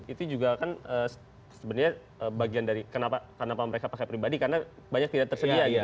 itu juga kan sebenarnya bagian dari kenapa mereka pakai pribadi karena banyak tidak tersedia ya